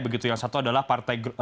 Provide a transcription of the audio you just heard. begitu yang satu adalah partai